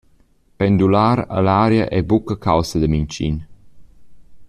Pendular ell’aria ei buca caussa da mintgin.